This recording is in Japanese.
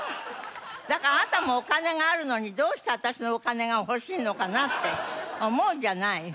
だからあなたもお金があるのにどうして私のお金が欲しいのかなって思うじゃない。